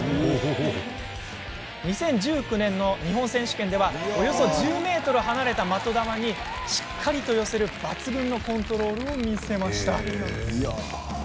２０１９年の日本選手権ではおよそ１０ｍ離れた的球にしっかりと寄せる抜群のコントロールを見せました。